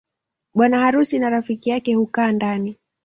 Bwana harusi na rafiki yake hukaa ndani